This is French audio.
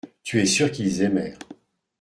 Tu es sûr qu’ils aimèrent.